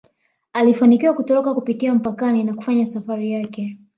Alifanikiwa kutoroka kupitia mpakani na kufanya safari yake